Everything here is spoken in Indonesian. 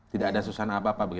tidak ada suasana apa apa begitu